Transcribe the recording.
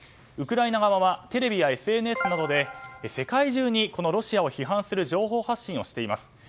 ウクライナ側はテレビやＳＮＳなどで世界中にロシアを批判する情報発信をしています。